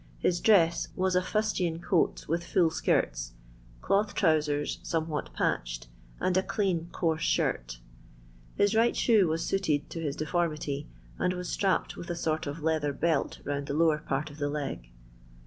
His dress was a fustian coat with full skirts, cloth trowsers somewhat patched, and a clean coarse shirt His right shoe was suited to his deformity, and was strapped with a sort of leather belt round the lower part of the leg.